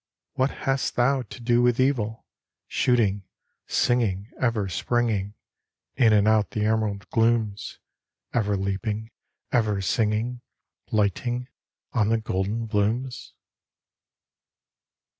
What hast thou to do with evil, Shooting, singing, ever springing In and out the emerald glooms, Ever leaping, ever singing, Lighting on the golden blooms?